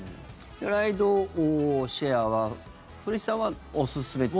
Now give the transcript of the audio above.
ライドシェアは古市さんはおすすめという？